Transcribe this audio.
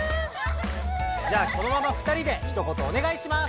じゃあこのまま２人でひと言お願いします。